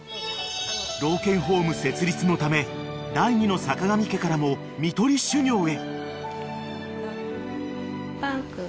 ［老犬ホーム設立のため第２のさかがみ家からも看取り修業へ］